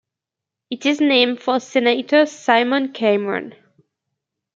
It is named for Senator Simon Cameron.